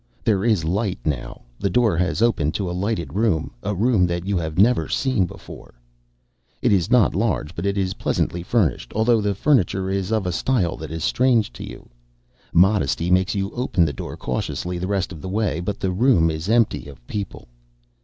There is light now. The door has opened to a lighted room ... a room that you have never seen before. It is not large, but it is pleasantly furnished although the furniture is of a style that is strange to you. Modesty makes you open the door cautiously the rest of the way. But the room is empty of people.